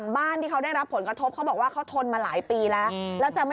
บ้านน้ำมารวม